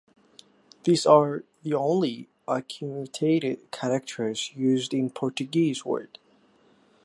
These are the only accentuated characters used in Portuguese words.